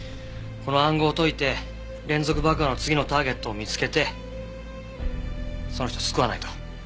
この暗号を解いて連続爆破の次のターゲットを見つけてその人を救わないと。